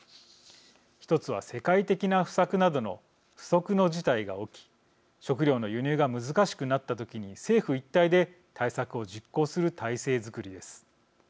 １つは世界的な不作などの不測の事態が起き食料の輸入が難しくなった時に政府一体で対策を実行する体制づくりです。